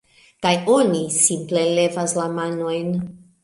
kaj oni simple levas la manojn